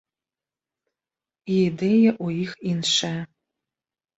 І ідэя ў іх іншая!